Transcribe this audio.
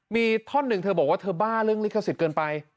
มีท่อนหนึ่งเธอบอกว่าเธอบ้าเรื่องลิขสิทธิ์เกินไป